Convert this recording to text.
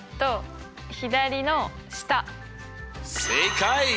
正解！